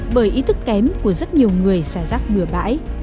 bởi ý thức kém của rất nhiều người xả rắc ngừa bãi